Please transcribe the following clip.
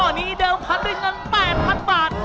ตอนนี้เดิมพันด้วยเงิน๘๐๐๐บาท